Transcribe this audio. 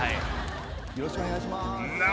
よろしくお願いします。